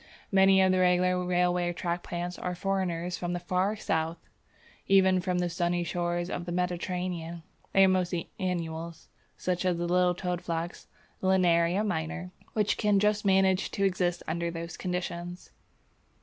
Many of the regular railway track plants are foreigners from the far south, even from the sunny shores of the Mediterranean. They are mostly annuals, such as the little Toadflax (Linaria minor), which can just manage to exist under those conditions.